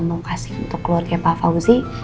mau kasih untuk keluarga pak fauzi